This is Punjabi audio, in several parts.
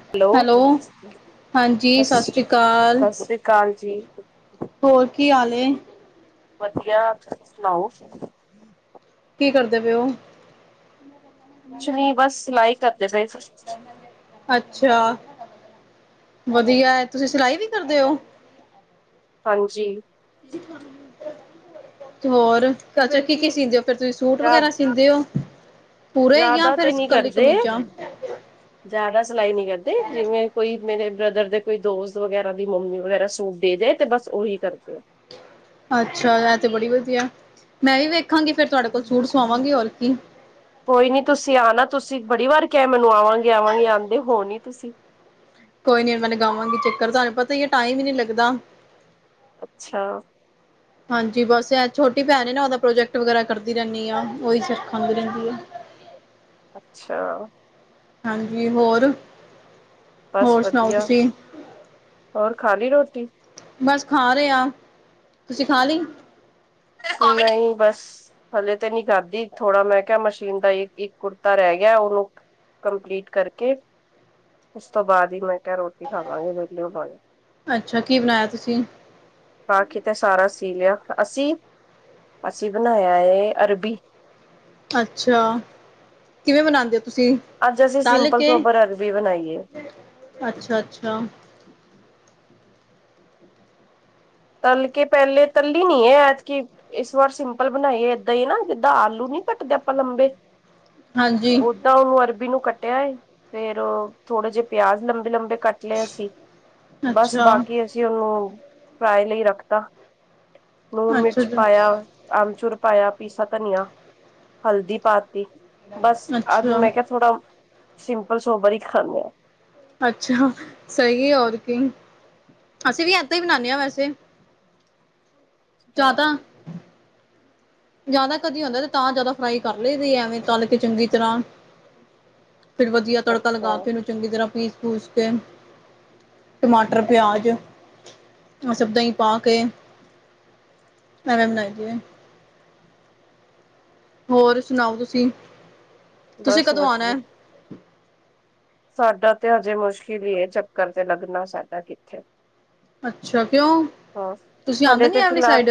ਹੈਲੋ, ਹਾਂਜੀ ਸਤਿ ਸ਼੍ਰੀ ਅਕਾਲ ਸ੍ਰੀ ਅਕਾਲ ਜੀ। ਹੋਰ ਕੀ ਹਾਲ ਏ? ਵਧੀਆ, ਤੁਸੀਂ ਸੁਣਾਓ? ਕੀ ਕਰਦੇ ਪਏ ਓ? ਕੁਛ ਨੀ ਬਸ, ਸਿਲਾਈ ਕਰਦੇ ਪਏ ਸੀ। ਅੱਛਾ, ਵਧੀਆ। ਤੁਸੀਂ ਸਿਲਾਈ ਵੀ ਕਰਦੇ ਓ? ਹਾਂਜੀ। ਤੇ ਹੋਰ ਘਰ ਚ' ਕੀ-ਕੀ ਸੀਦੇਂ ਓ ਫਿਰ ਤੁਸੀਂ, ਸੂਟ ਵਗੈਰਾ ਸੀਂਦੇ ਓ, ਪੂਰੇ ਜਾਂ ਜ਼ਿਆਦਾ ਫਿਰ ਤੇ ਨਹੀਂ ਕੱਲੀ ਕਰਦੇ ਕਮੀਜਾਂ? ਜ਼ਿਆਦਾ ਸਿਲਾਈ ਨੀ ਕਰਦੇ, ਜਿਵੇਂ ਕੋਈ ਮੇਰੇ ਬ੍ਰਦਰ ਦੇ ਕੋਈ ਦੋਸਤ ਵਗੈਰਾ ਦੀ ਮੰਮੀ ਵਗੈਰਾ ਸੂਟ ਦੇ ਦੇ ਤੇ ਬਸ ਉਹੀ ਕਰਦੇੇ ਆ। ਅੱਛਾ, ਇਹ ਤੇ ਬੜੀ ਵਧੀਆ, ਮੈਂ ਵੀ ਵੇਖਾਂਗੀ ਫੇਰ ਤੁਹਾਡੇ ਕੋਲ ਸੂਟ ਸਵਾਵਾਂ ਗੀ, ਹੋਰ ਕੀ। ਕੋਈ ਨੀ ਤੁਸੀਂ ਆਨਾ, ਤੁਸੀਂ ਬੜੀ ਵਾਰ ਕਿਹਾ ਮੈਨੂੰ ਆਵਾਂਗੇ-ਆਵਾਂਗੇ ਆਂਦੇ ਹੋ ਨੀ ਤੁਸੀਂ। ਕੋਈ ਨੀ ਮੈਂ ਲਗਾਵਾਂਗੀ ਚੱਕਰ, ਤੁਹਾਨੂੰ ਪਤਾ ਈ ਏ, ਟਾਈਮ ਈ ਨੀ ਲੱਗਦਾ। ਅੱਛਾ। [inaudible] ਹਾਂਜੀ ਬਸ, ਛੋਟੀ ਭੈਣ ਨੇ ਨਾ ਉਹਦਾ ਪ੍ਰੋਜੈਕਟ ਵਗੈਰਾ ਕਰਦੀ ਰਹਿੰਨੀ ਆ, ਉਹੀ ਸਿਰ ਖਾਂਦੀ ਰਹਿੰਦੀ ਏ। ਅੱਛਾ। ਹਾਂਜੀ, ਹੋਰ? ਬਸ ਹੋਰ ਸੁਣਾਓ ਵਧੀਆ, ਤੁਸੀਂ ਹੋਰ ਖਾ ਲੀ ਰੋਟੀ? ਬਸ ਖਾ ਰੇ ਆਂ। ਤੁਸੀਂ ਖਾ ਲੀ? ਨ‌ਈਂ ਬਸ। ਹਾਲੇ ਤੇ ਨੀ ਖਾਧੀ, ਥੋੜਾ ਮੈਂ ਕਿਹਾ ਮਸ਼ੀਨ ਦਾ ਇੱਕ-ਇਕ ਕੁੜਤਾ ਰਹਿ ਗਿਆ ਉਹਨੂੰ ਕੰਪਲੀਟ ਕਰਕੇ, ਉਸ ਤੋਂ ਬਾਅਦ ਈ ਮੈਂ ਫਿਰ ਰੋਟੀ ਖਾਵਾਂਗੇ, ਵਿਹਲੇ ਹੋਵਾਗੇ ਅੱਛਾ ਕੀ ਬਣਾਇਆ ਤੁਸੀਂ ਬਾਕੀ ਤੇ ਸਾਰਾ ਸੀ ਲਿਆ, ਅਸੀਂ ਅਸੀਂ ਬਣਾਇਆ ਏ ਅਰਬੀ। ਅੱਛਾ, ਕਿਵੇਂ ਬਣਾਂਦੇ ਓ ਤੁਸੀਂ? ਅੱਜ ਅਸੀਂ ਤਲ ਸਿੰਪਲ ਸੋਬਰ ਅਰਬੀ ਬਣਾਈ ਏ। ਅੱਛਾ-ਅੱਛਾ। ਤਲ ਕੇ ਪਹਿਲੇ, ਤਲੀ ਨੀ ਐ ਐਤਕੀ ਇਸ ਵਾਰ ਸਿੰਪਲ ਬਣਾਈ ਏ ਏਦਾਂ ਈ ਨਾ, ਜਿੱਦਾਂ ਆਲੂ ਨੀ ਕੱਟਦੇ ਆਪਾਂ ਲੰਬੇ ਹਾਂਜੀ। ਓਦਾਂ ਉਹਨੂੰ ਅਰਬੀ ਨੂੰ ਕੱਟਿਆ ਏ, ਫੇਰ ਥੋੜੇ ਜਿਹੇ ਪਿਆਜ ਲੰਬੇ-ਲੰਬੇ ਕੱਟ ਲੇ ਸੀ, ਬਸ ਅੱਛਾ ਬਾਕੀ ਅਸੀਂ ਉਹਨੂੰ ਫਰਾਈ ਲਈ ਰੱਖਤਾ, ਲੂਣ ਅੱਛਾ ਮਿਰਚ ਪਾਇਆ ਆਮਚੂਰ ਪਾਇਆ, ਪੀਸਾ ਧਨੀਆ, ਹਲਦੀ ਪਾ ਤੀ ਬਸ ਅੱਜ ਅੱਛਾ ਮੈਂ ਕਿਹਾ ਥੋੜਾ, ਸਿੰਪਲ ਸੋਬਰ ਈ ਖਾਂਨੇ ਆਂ। ਅੱਛਾ, ਸਹੀ ਆ ਹੋਰ ਕੀ, ਅਸੀਂ ਵੀ ਇਦਾਂ ਈ ਬਣਾਂਨੇ ਆਂ ਵੈਸੇ। ਜਾਂ ਅੱਛਾ ਤਾਂ ਜ਼ਿਆਦਾ ਕਦੀ ਹੁੰਦੇ ਤੇ ਤਾਂ ਜ਼ਿਆਦਾ ਫਰਾਈ ਕਰ ਲਈ ਦੀ ਆ, ਐਵੇਂ ਤਲ ਕੇ ਚੰਗੀ ਤਰ੍ਹਾਂ ਫਿਰ ਵਧੀਆ ਤੜਕਾ ਲਗਾ ਅੱਛਾ ਕੇ ਇਹਨੂੰ ਚੰਗੀ ਤਰ੍ਹਾਂ ਪੀਸ-ਪੂਸ ਕੇ ਟਮਾਟਰ, ਪਿਆਜ਼, ਉਹ ਸਭ ਦਹੀ ਪਾ ਕੇ ਐਵੇਂ ਬਣਾਈ ਦੀ ਐ। ਹੋਰ, ਸੁਣਾਓ ਤੁਸੀ? ਬਸ ਵਧੀਆ। ਸਾਡਾ ਤੇ ਹਜੇ ਮੁਸ਼ਕਿਲ ਈ ਐ ਚੱਕਰ ਤੇ ਲੱਗਣਾ, ਸਾਡਾ ਕਿਥੇ ਅਛਾ ਕਿਉਂ? ਤੁਸੀਂ ਆਂਦੇ ਨੀ ਐ ਵਾਲੀ ਸਾਈਡ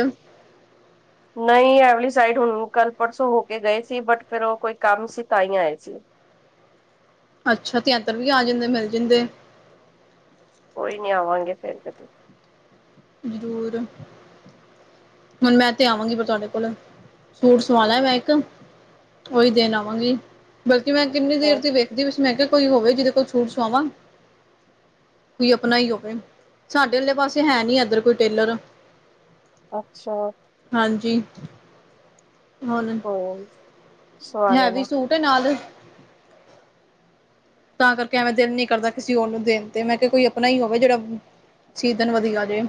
ਨਹੀ ਐ ਵਾਲੀ ਸਾਈਡ ਹੁਣ ਕੱਲ੍ਹ ਪਰਸੋਂ ਹੋ ਕੇ ਗਏ ਸੀ, ਬਟ ਫਿਰ ਉਹ ਕੋਈ ਕਮ ਸੀ ਤਾਂ ਈ ਆਏ ਸੀ। ਅੱਛਾ, ਐਧਰ ਵੀ ਆ ਜਾਂਦੇ ਮਿਲ ਜਾਂਦੇ ਕੋਈ ਨੀ ਆਵਾਂਗੇ ਫੇਰ ਕਦੇ- ਜ਼ਰੂਰ- ਹੁਣ ਮੈ ਤੇ ਆਵਾਂਗੀ ਫੇਰ ਤੁਹਾਡੇ ਕੋਲ ਸੂਟ ਸਵਾ ਲੈ ਮੈ ਇਕ- ਉਹੀ ਦੇਣ ਆਵਾਂਗੀ ਬਲਕਿ ਮੈ ਕਿਨੀ ਦੇਰ ਹਾਂ ਦੀ ਵੇਖ- ਮੈਂ ਕੇਹਾ ਕੋਈ ਹੋਵੇ ਜਿਹਦੇ ਕੋਲ ਮੈਂ ਸੂਟ ਸੁਆਵਾਂ- ਕੋਈ ਆਪਣਾ ਹੀ ਹੋਵੇ, ਸਾਡੇ ਵਾਲੇ ਪਾਸੇ ਹੈਨੀ ਏਧਰ ਕੋਈ ਟੇਲਰ- ਅਛਾ- ਹਾਂਜੀ- ਹ [unintelligible] ਹੂ- ਹੈਵੀ ਸੂਟ ਨਾਲ- ਤਾਂ ਕਰਕੇ ਐਵੇਂ ਦਿਲ ਨੀ ਕਰਦਾ ਕਿਸੇ ਹੋਰ ਨੂੰ ਦੇਣ ਤੇ, ਮੈ ਕਿਹਾ ਕੋਈ ਆਪਣਾ ਹੀ ਹੋਵੇ ਜਿਹੜਾ- ਸੀ ਦੇਣ ਵਧੀਆ ਜੇ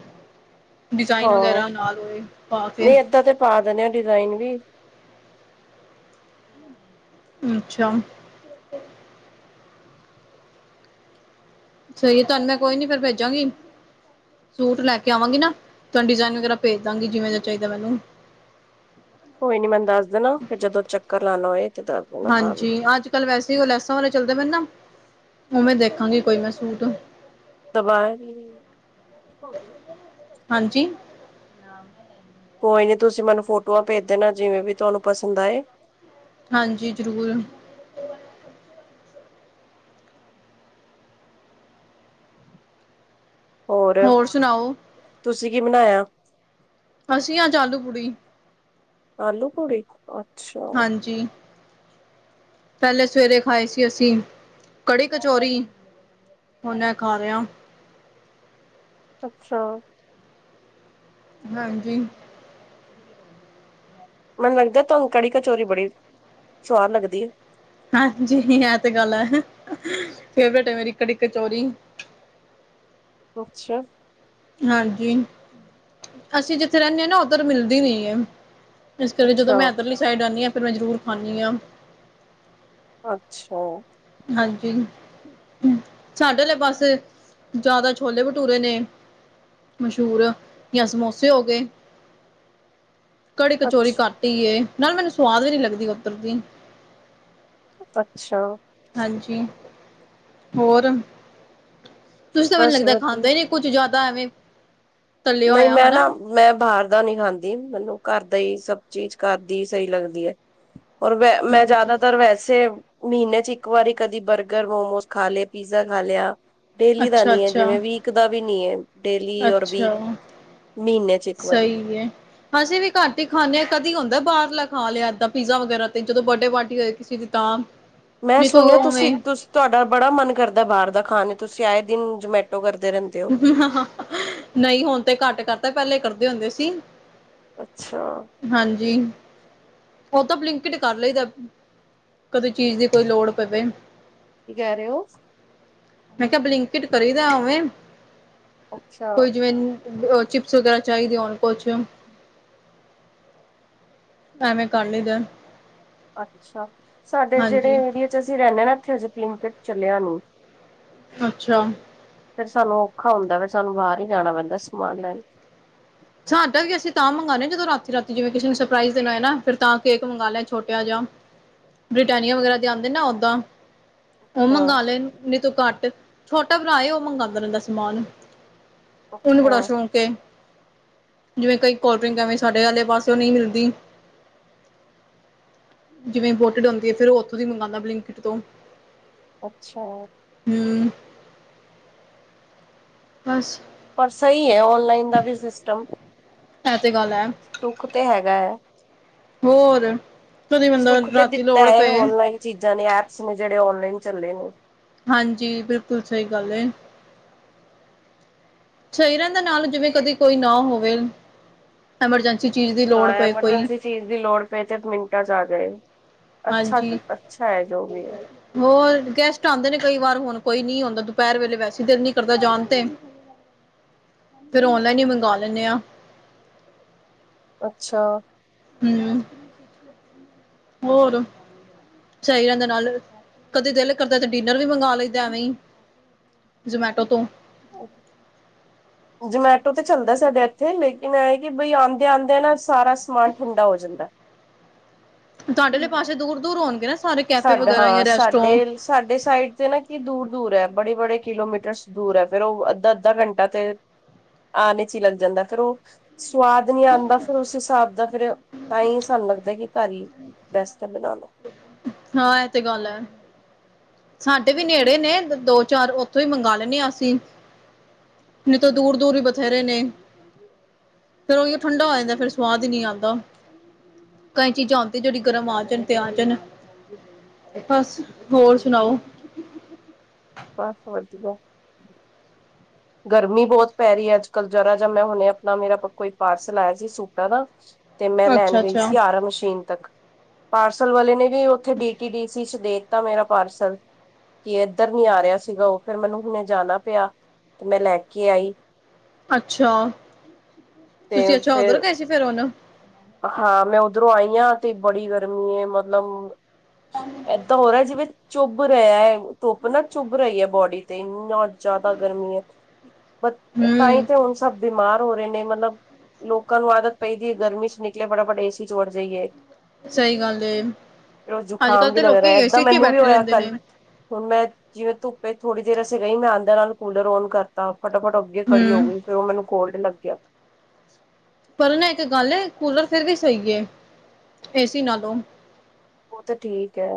ਡਿਜ਼ਾਇਨ ਹਾਂ ਵਗੈਰਾ ਨਾਲ ਹੋਏ ਪਾ ਕੇ- ਨਹੀਂ ਏਦਾਂ ਤੇ ਪਾ ਦਿੰਦੇ ਹਾਂ ਡਿਜ਼ਾਇਨ ਵੀ- ਅਛਾ- ਸਹੀ ਤੁਹਾਨੂੰ ਮੈਂ ਕੋਈ ਨੀ ਫਿਰ ਭੇਜਾਗੀ। ਸੂਟ ਲੈ ਕੇ ਆਵਾਂਗੀ ਨਾ ਤੁਹਾਨੂੰ ਡਿਜ਼ਾਇਨ ਵਗੈਰਾ ਭੇਜ ਦਾਗੀ ਜਿਵੇ ਦਾ ਚਾਹੀਦਾ ਮੈਨੂੰ- ਕੋਈ ਨੀ ਮੈਨੂੰ ਦੱਸ ਦੇਣਾ ਫੇਰ ਜਦੋਂ ਚੱਕਰ ਲਾਉਣਾ ਹੋਏ- ਤੇ ਦੱਸ ਦੇਣਾ ਤਾਂ ਵੀ ਹਾਂਜੀ ਅੱਜ- ਅਜ ਕਲ ਵੈਸੇ ਲੈਸਾਂ ਵਾਲੇ ਚੱਲਦੇ ਪਏ ਨਾ, ਮੈਨੂੰ ਨਾ ਉਵੇਂ ਦੇਖਾਂਗੀ ਕੋਈ ਮੈ ਸੂਟ- ਸ ਬਏ [unintelligible] ਹਾਂਜੀ- ਆ ਲ [inaudible] ਕੋਈ ਨੀ ਤੁਸੀ ਮੈਨੂੰ ਫੋਟੋਆਂ ਭੇਜ ਦੇਣਾ ਜਿਵੇ ਵੀ ਤੁਹਾਨੂੰ ਪਸੰਦ ਆਏ- ਹਾਂਜੀ ਜ਼ਰੂਰ- ਹੋਰ ਸੁਣਾਓ ਤੁਸੀਂ ਕੀ ਬਣਾਇਆ ਅਸੀ ਅਜ ਆਲੂ ਪੁੜੀ- ਆਲੂ ਪੂੜੀ ਅਛਾ- ਹਾਂਜੀ ਪਹਿਲੇ ਸਵੇਰੇ ਖਾਏ ਸੀ ਅਸੀ ਕੜੀ ਕਚੌਰੀ- ਹੁਣ ਏ ਖਾ ਰਹੇ ਆਂ - ਅਛਾ- ਹਾਂਜੀ- ਮੈਨੂੰ ਲੱਗਦਾ ਤੁਹਾਨੂੰ ਕੜੀ ਕਚੋਰੀ ਬੜੀ ਸਵਾਦ ਲੱਗਦੀ ਐ ਹਾਂਜੀ ਇਹ ਤੇ ਗੱਲ ਹੈ। ਫੇਵਰੇਟ ਹੈ ਮੇਰੀ ਕੜੀ ਕਚੋਰੀ- ਅਛਾ- ਹਾਂਜੀ ਅਸੀ ਜਿਥੇ ਰਹਿਦੇ ਆਂ ਨਾ ਉਧਰ ਮਿਲਦੀ ਨਹੀ ਹੈ। ਇਸ ਕਰਕੇ ਜਦੋ ਅੱਛਾ ਮੈ ਇੱਧਰਲੀ ਸਾਈਡ ਆਂਨੀ ਆਂ ਫਿਰ ਮੈ ਜ਼ਰੂਰ ਖਾਂਦੀ ਹਾਂ- ਅਛਾ- ਹਾਂਜੀ- ਸਾਡਲੇ ਪਾਸੇ ਜ਼ਿਆਦਾ ਛੋਲੇ ਭਠੂਰੇ ਨੇ- ਮਸ਼ਹੂਰ ਜਾਂ ਸਮੋਸੇ ਹੋ ਗਏ। ਕੜੀ ਕਚੋਰੀ ਅੱਛਾ ਘੱਟ ਹੀ ਏ, ਨਾਲੇ ਮੈਨੂੰ ਸਵਾਦ ਵੀ ਨੀ ਲੱਗਦੀ ਉਧਰਦੀ- ਅਛਾ- ਹਾਂਜੀ। ਹੋਰ ਤੁਸੀਂ ਤਾਂ ਮੈਨੂੰ ਬਸ ਲੱਗਦਾ ਖਾਂਦੇ ਵਧੀਆ ਹੀ ਨੀ ਕੁਝ। ਕੁੱਛ ਜ਼ਿਆਦਾ ਐਵੇਂ ਤਲਿਆ ਨਹੀਂ ਹੋਇਆ ਮੈਂ ਹਨਾ ਨਾ ਮੈਂ ਬਾਹਰ ਦਾ ਨੀ ਖਾਂਦੀ, ਮੈਨੂੰ ਘਰ ਦਾ ਹੀ ਸਭ ਚੀਜ਼ ਘਰ ਦੀ ਹੀ ਸਹੀ ਲੱਗਦੀ ਐ। ਔਰ ਮ ਮੈਂ ਹਾਂਜੀ ਜ਼ਿਆਦਾਤਰ ਵੈਸੇ ਮਹੀਨੇ 'ਚ ਇੱਕ ਵਾਰੀ ਕਦੀ ਬਰਗਰ, ਮੋਮੋਸ ਖਾ ਲਿਆ, ਪੀਜ਼ਾ ਖਾ ਲਿਆ। ਡੇਲੀ ਦਾ ਅੱਛਾ ਨੀ ਹੈ ਅੱਛਾ ਜਿਵੇਂ, ਵੀਕ ਦਾ ਵੀ ਨੀ ਹੈ, ਡੇਲੀ ਔਰ ਅੱਛਾ ਵੀਕ। ਮਹੀਨੇ ਚ ਇੱਕ ਵਾਰੀ ਸਹੀ ਏ। ਅਸੀਂ ਵੀ ਘੱਟ ਹੀ ਖਾਂਦੇ ਹਾਂ ਕਦੀ ਹੁੰਦਾ ਬਾਹਰ ਲ ਖਾ ਲਿਆ, ਇਏਦਾਂ ਪੀਜ਼ਾ ਵਗੈਰਾ ਤੇ ਜਦੋਂ ਬਰਡੇ ਪਾਰਟੀ ਹੋਏ ਕਿਸੇ ਦੀ ਤਾ ਮੈਂ ਸੁਣਿਆ ਤੁਸੀਂ ਤੁ ਤੁਹਾਡਾ ਬੜਾ ਮਨ ਕਰਦਾ ਬਾਹਰ ਦਾ ਖਾਣ ਦਾ, ਤੁਸੀਂ ਆਏ ਦਿਨ ਜਮੈਟੋ ਕਰਦੇ ਰਹਿੰਦੇ। ਹੋ ਨਹੀਂ ਹੁਣ ਤੇ ਘੱਟ ਕਰਤਾ, ਪਹਿਲੇ ਕਰਦੇ ਹੁੰਦੇ ਸੀ। ਅੱਛਾ। ਹਾਂਜੀ, ਉਹ ਤਾਂ ਬਲਿੰਕਿਟ ਕਰ ਲਈਦਾ। ਕਦੇ ਚੀਜ਼ ਦੀ ਕੋਈ ਲੋੜ ਪਵੇ ਕੀ ਕਹਿ ਰਹੇ ਹੋ? ਮੈਂ ਕਿਹਾ ਬਲਿੰਕਟ ਕਰੀਦਾ ਵੇਂ ਅੱਛਾ ਕੋਈ ਜਿਵੇਂ ਚਿਪਸ ਵਗੈਰਾ ਚਾਹੀਦੀ ਹੁਨ ਕੁਛ, ਐਵੇਂ ਕਰ ਲਈ ਦਾ। ਅੱਛਾ, ਸਾਡੇ ਜਿਹੜੇ ਹਾਂਜੀ ਏਰੀਏ 'ਚ ਅਸੀਂ ਰਹਿੰਦੇ ਹ ਇਥੇ ਹਜੇ ਤੇ ਬਲਿੰਕਿਟ ਚੱਲਿਆ ਨੀ। ਅੱਛਾ। ਫੇਰ ਸਾਨੂੰ ਔਖਾ ਹੁੰਦਾ, ਫਿਰ ਸਾਨੂੰ ਬਾਹਰ ਹੀ ਜਾਣਾ ਪੈਂਦਾ ਸਮਾਨ ਲੈਣ। ਸਾਡਾ ਵੀ ਅਸੀਂ ਤਾਂ ਮ ਮੰਗਾਉਂਦੇ ਜਦੋਂ ਰਾਤੀ ਰਾਤੀ ਜਿਵੇਂ ਕਿਸੇ ਨੂੰ ਸਰਪ੍ਰਾਈਜ਼ ਦੇਣਾ ਨਾ, ਫਿਰ ਤਾਂ ਕੇਕ ਮੰਗਵਾ ਲਿਆ ਛੋਟਾ ਜਾ ਬ੍ਰਿਟਾਨੀਆ ਵਗੈਰਾ ਦੇ ਆਉਂਦੇ ਨਾ ਉਦਾਂ ਉਹ ਅੱਛਾ ਮੰਗਵਾ ਲੈਣ ਨਹੀਂ ਤੂੰ ਘੱਟ, ਛੋਟਾ ਭਰਾ ਉਹ ਮੰਗਵਾਉਂਦਾ ਰਹਿੰਦਾ ਸਮਾਨ। ਉਹਨੂੰ ਬੜਾ ਅੱਛਾ ਸ਼ੌਕ ਏ। ਜਿਵੇਂ ਕਈ ਕੋਲਡ ਡਰਿੰਕ ਐਵੇਂ ਸਾਡੇ ਵਾਲੇ ਪਾਸਓ ਨਹੀਂ ਮਿਲਦੀ। ਜਿਵੇ ਇੰਪੋਰਟਡ ਹੁੰਦੀ ਹੈ ਫਰ ਉੱਥੋਂ ਦੀ ਮੰਵਾਉਂਦਾ ਬਲਿੰਕਿਟ ਤੋਂ। ਅੱਛਾ। ਹੂੰ ਬਸ। ਪਰ ਸਹੀ ਹੈ ਔਨਲਾਈਨ ਦਾ ਵੀ ਸਿਸਟਮ। ਐ ਤੇ ਗੱਲ ਐ। ਸੁੱਖ ਤੇ ਹੈਗਾ। ਹੋਰ, ਕਦੇ ਬੰਦਾ ਸੁੱਖ ਤੇ ਰਾਤੀ ਦਿੱਤਾ ਲੋੜ ਹੈ ਪਏ ਔਨਲਾਈਨ ਚੀਜ਼ਾਂ ਨੇ, ਐਪਸ ਨੇ, ਜਿਹੜੇ ਔਨਲਾਈਨ ਚੱਲੇ ਨੇ। ਹਾਂਜੀ, ਬਿਲਕੁਲ ਸਹੀ ਗੱਲ ਏ। ਸਹੀ ਰਹਿੰਦਾ ਨਾਲ ਜਿਵੇਂ, ਕਦੇ ਕੋਈ ਨਾ ਹੋਵੇ ਐਮਰਜੈਂਸੀ ਚੀਜ਼ ਦੀ ਹਾਂ ਲੋੜ ਪਏ ਕੋਈ। ਐਮਰਜੈਂਸੀ ਚੀਜ਼ ਦੀ ਲੋੜ ਪਏ ਤੇ ਮਿੰਟਾਂ 'ਚ ਆ ਜਾਏ, ਅੱਛਾ ਹਾਂਜੀ ਜੀ ਅੱਛਾ ਹੈ, ਜੋ ਵੀ ਹੈ। ਹੋਰ ਗੈਸਟ ਆਉਂਦੇ ਨੇ ਕਈ ਵਾਰ ਹੁਣ, ਕੋਈ ਨੀ ਆਉਂਦਾ ਦੁਪਹਿਰ ਵੇਲੇ ਵੈਸੇ ਦਿਲ ਨੀ ਕਰਦਾ ਜਾਣ ਤੇ ਫੇਿਰ ਔਨਲਾਈਨ ਹੀ ਮੰਗਵਾ ਲੈਂਦੇ ਆ। ਅੱਛਾ। ਹੂੰ, ਹੋਰ। ਸਹੀ ਰਹਿੰਦਾ ਨਾਲ, ਕਦੇ ਦਿਲ ਕਰਦਾ ਤੇ ਡਿਨਰ ਵੀ ਮੰਗਵਾ ਲੈਂਦਾ ਐਵੇਂ ਹੀ। ਜ਼ਮੈਟੋ ਤੋਂ। ਹਾਂ। ਜਮੈਟੋ ਤੇ ਚੱਲਦਾ ਸਾਡੇ ਇੱਥੇ ਲੇਕਿਨ, ਇਹ ਕਿ ਬਈ ਆਉਂਦੇ ਆਉਂਦੇ ਨਾ ਸਾਰਾ ਸਮਾਨ ਠੰਡਾ ਹੋ ਜਾਂਦਾ। ਤੁਹਾਡੇ ਆਲੇ ਪਾਸੇ ਦੂਰ ਦੂਰ ਹੋਣਗੇ ਨਾ, ਸਾਰੇ ਕੈਫੇ ਸਾਡਾ ਵਗੈਰਾ ਹਾਂ ਜਾਂ ਰੈਸਟੋਰੋਂ ਸਾਡੇ ਸਾਡੇ ਸਾਈਡ ਤੇ ਨਾ ਕੀ ਦੂਰ -ਦੂਰ ਹੈ ਬੜੇ, ਬੜੇ ਕਿਲੋਮੀਟਰਸ ਦੂਰ ਹੈ ਫੇਰ ਉਹ ਅੱਧਾ -ਅੱਧਾ ਘੰਟਾ ਤੇ, ਆਨ ਚ ਹੀ ਲੱਗ ਜਾਂਦਾ, ਫਿਰ ਉਹ ਸਵਾਦ ਨੀ ਆਂਦਾ, ਫਿਰ ਉਸ ਹਿਸਾਬ ਦਾ ਫਿਰ ਤਾਂਈ ਸਾਨੂੰ ਲੱਗਦਾ ਆ ਕਿ ਘਰ ਹੀ ਬੈਸਟ ਹੈ ਬਣਾ ਲਓ। ਹਾਂ ਇਹ ਤੇ ਗੱਲ ਹੈ। ਸਾਡੇ ਵੀ ਨੇੜੇ ਨੇ ਦੋ, ਚਾਰ ਉੱਥੋਂ ਹੀ ਮੰਗਵਾ ਲੈਂਨੇ, ਆ, ਅਸੀਂ। ਨਹੀ ਤਾ ਦੂਰ -ਦੂਰ ਹੀ ਬਥੇਰੇ ਨੇ, ਫੇਰ ਉਹੀ ਠੰਡਾ ਹੋ ਜਾਂਦਾ, ਫਿਰ ਸਵਾਦ ਹੀ ਨੀ ਆਂਦਾ, ਕਈ ਚੀਜ਼ਾਂ ਹੁੰਦੀਆਂ, ਜੇੜੀ ਗਰਮ ਆ ਜਾਣ, ਤੇ ਆ ਜਾਣ, ਬਸ ਹੋਰ ਸੁਣਾਓ, ਬਸ ਵਧੀਆ ਗਰਮੀ ਬੋਤ ਪੈ ਰੀ ਐ, ਅੱਜ ਕੱਲ ਜਰਾ ਜ, ਮੈਂ ਹੁਣੇ ਆਪਣਾ ਮੇਰਾ ਕੋਈ ਪਾਰਸਲ ਆਇਆ ਸੀ ਸੂਟਾਂ ਦਾ, ਤੇ ਮੈਂ ਲੈਣ ਅੱਛਾ ਗਈ ਅੱਛਾ ਸੀ ਆਰਾ ਮਸ਼ੀਨ ਤੱਕ, ਪਾਰਸਲ ਵਾਲੇ ਨੇ ਵੀ ਉੱਥੇ ਡੀ ਟੀ ਡੀ ਸੀ ਦੇ ਤਾਂ ਮੇਰਾ ਪਾਰਸਲ ਕਿ ਇੱਧਰ ਨੀ ਆ ਰਿਹਾ ਸੀਗਾ, ਉਹ ਫੇਰ ਮੈਨੂੰ ਹੁਣੇ ਜਾਣਾ ਪਿਆ। ਤੇ ਮੈਂ ਲੈ ਕੇ ਆਈ, ਅੱਛਾ, ਤੁਸੀਂ ਅੱਛਾ, ਉਧਰ ਗਏ ਸੀ ਫਿਰ ਹੁਣ, ਹਾਂ ਮੈਂ ਉੱਧਰੋਂ ਆਈ ਆ, ਤੇ ਬੜੀ ਗਰਮੀ ਏ, ਮਤਲਬ ਏਦਾਂ ਹੋ ਰਿਹਾ ਜਿਵੇਂ ਚੁੱਭ ਰਿਆ ਐ, ਧੁੱਪ ਨਾ ਚੁੱਭ ਰਈ ਐ, ਬੋਡੀ ਤੇ ਇੰਨਾ ਜਾਦਾ ਗਰਮੀ ਐ। ਬ ਤਾਂਈ ਹਮ ਤੇ ਹੁਣ ਸਭ ਬਿਮਾਰ ਹੋ ਰਏ ਨੇ, ਮਤਲਬ ਲੋਕਾਂ ਨੂੰ ਆਦਤ ਪਈ ਦੀ ਏ ਗਰਮੀ ਚ, ਨਿਕਲੇ ਫਟਾ-ਫਟ ਏ ਸੀ ਚ ਵੜ ਜਾਈਏ, ਸਹੀ ਗੱਲ ਏ ਅੱਜ ਜ਼ੁਕਾਮ ਕੱਲ੍ਹ ਵੀ ਤੇ ਲੱਗ ਲੋਕੀ ਰਿਹਾ, ਏਦਾਂ ਏਸੀ ਚ ਹੀ ਮੈਨੂੰ ਵੀ ਬੈਠੇ ਹੋਇਆ ਰਹਿੰਦੇ ਕੱਲ ਨੇ ਹੁਣ ਮੈਂ ਜਿਵੇਂ ਧੁੱਪੇ ਏ ਥੋੜੀ ਦੇਰ ਅਸੀਂ ਗਈ, ਮੈਂ ਅੰਦਰ ਨਾਲ ਕੂਲਰ ਔਨ ਕਰ ਤਾਂ ਫਟਾ- ਫੱਟ ਅੱਗੇ ਖੜੀ ਹੂੰ, ਹੋਗੀ, ਫਿਰ ਮੈਨੂੰ ਕੋਲਡ ਲੱਗਿਆ। ਪਰ ਨਾ ਇੱਕ ਗੱਲ ਹੈ, ਕੂਲਰ ਫਿਰ ਵੀ ਸਹੀ ਐ ਏਸੀ ਨਾਲੋਂ। ਉਹ ਤਾਂ ਠੀਕ ਹੈ,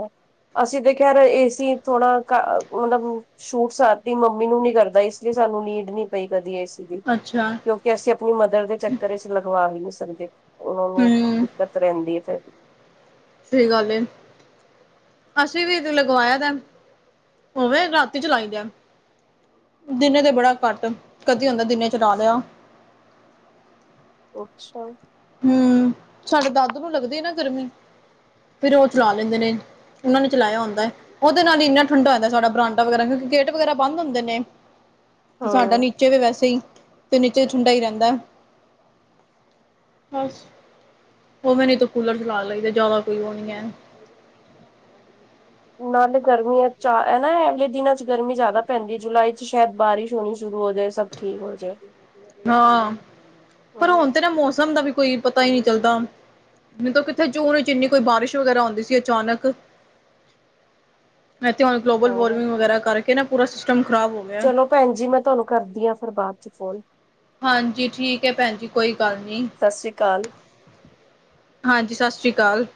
ਅਸੀਂ ਤਾਂ ਖੈਰ ਏਸੀ ਥੋੜਾ ਘ ਮਤਲਬ ਛੂਟ ਸਤੀ ਮੰਮੀ ਨੂੰ ਨੀ ਕਰਦਾ, ਇਸ ਲਈ ਸਾਨੂੰ ਨੀਦ ਨੀ ਪਈ ਕਦੀ ਇਸ ਅੱਛਾ। ਕਿਉਂਕਿ ਅਸੀਂ ਆਪਣੀ ਮਦਰ ਦੇ ਚੱਕਰ ਵਿੱਚ ਲਗਵਾ ਵੀ ਨਹੀਂ ਸਕਦੇ। ਉਹਨਾਂ ਨੂੰ ਹੂੰ, ਦਿੱਕਤ ਰਹਿੰਦੀ ਹੈ ਫਿਰ। ਸਹੀ ਗੱਲ ਏ। ਅਸੀਂ ਵੀ ਲਗਵਾਇਆ ਦਾ ਉਵੇ ਰਾਤੀ ਚਲਾਈਆ, ਦਿਨੇ ਤੇ ਬੜਾ ਘੱਟ, ਕਦੀ ਹੁੰਦਾ ਦਿਨੇ ਚਲਾ ਲਿਆ। ਅੱਛਾ। ਹਮ ਸਾਡੇ ਦਾਦੂ ਨੂੰ ਲੱਗਦੀ ਨਾ ਗਰਮੀ ਫਿਰ ਉਹ ਚਲਾ ਲੈਂਦੇ ਨੇ, ਉਹਨਾਂ ਨੇ ਚਲਾਇਆ ਹੁੰਦਾ ਹਾ ਉਹਦੇ ਨਾਲ ਇੰਨਾ ਠੰਡਾ ਸਾਡਾ ਬਰਾਂਡਾ ਵਗੈਰਾ, ਕਿਉਂਕਿ ਗੇਟ ਵਗ਼ੈਰਾ ਬੰਦ ਹੁੰਦੇ ਨੇ, ਤੇ ਸਾਡਾ ਹਾਂ ਨੀਚੇ ਵੀ ਵੈਸੇ ਹੀ, ਤੇ ਨੀਚੇ ਠੰਡਾ ਹੀ ਰਹਿੰਦਾ। ਬਸ ਉਵੇ ਨਹੀਂ ਤਾਂ ਕੂਲਰ ਚਲਾ ਲਈਦਾ, ਜ਼ਿਆਦਾ ਕੋਈ ਉਹ ਨੀ ਹੈ। ਨਾਲੇ ਗਰਮੀੀਆਂ ਚ ਐ ਨਾ, ਅਗਲੇ ਦਿਨਾਂ ਚ ਗਰਮੀ ਜ਼ਿਆਦਾ ਪੈਂਦੀ ਹੈ, ਜੁਲਾਈ ਚ ਸ਼ਾਇਦ ਬਾਰਿਸ਼ ਹੋਣੀ ਸ਼ੁਰੂ ਹੋ ਜਾਏ ਸਭ ਠੀਕ ਹੋ ਜਾਏ, ਹਾਂ ਪਰ ਹਾਂ ਹੁਣ ਤੇ ਨਾ, ਮੌਸਮ ਦਾ ਵੀ ਕੋਈ ਪਤਾ ਹੀ ਨਹੀਂ ਚੱਲਦਾ, ਮਤਲਬ ਕਿੱਥੇ ਜੂਨ ਵਿੱਚ ਇੰਨੀ ਕੋਈ ਬਾਰਿਸ਼ ਵਗੈਰਾ ਆਉਂਦੀ ਸੀ ਅਚਾਨਕ ਏ ਤੇ ਹੁਣ ਗਲੋਬਲ, ਹਾਂ ਵਾਰਮਿੰਗ ਵਗੈਰਾ, ਕਰਕੇ ਨਾ ਪੂਰਾ ਸਿਸਟਮ ਖਰਾਬ ਹੋ ਗਿਆ। ਚਲੋ ਭੈਣ ਜੀ ਮੈਂ ਤੁਹਾਨੂੰ ਕਰਦੀ ਹਾਂ, ਫਿਰ ਬਾਅਦ ਚ ਫੋਨ। ਹਾਂਜੀ, ਠੀਕ ਹੈ ਭੈਣ ਜੀ ਕੋਈ ਗੱਲ ਨੀ। ਸਤਿ ਸ੍ਰੀ ਅਕਾਲ ਹਾਂਜੀ ਸਤਿ ਸ਼੍ਰੀ ਅਕਾਲ।